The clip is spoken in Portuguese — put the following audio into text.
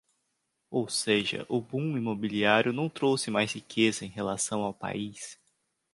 Ou seja, o boom imobiliário não trouxe mais riqueza em relação ao país.